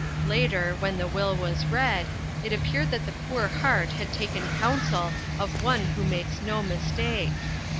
Later, when the will was read, it ap peared that the poor heart had taken coun sel of One who makes no mistakes.